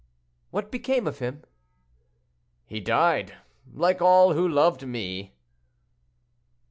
"—"What became of him?" "He died, like all who loved me."